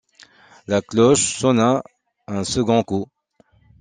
La cloche sonna un second coup.